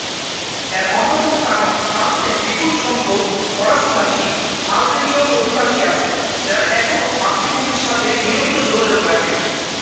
এর অন্যতম কারণ ফ্রান্সে বিপুল সংখ্যক ফরাসি-ভাষী আলজেরীয় অভিবাসী আছেন, যারা এখনও মাতৃভূমির সাথে নিয়মিত যোগাযোগ রাখেন।